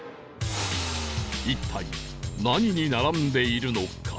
一体何に並んでいるのか？